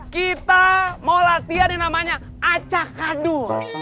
kita mau latihan yang namanya acakadu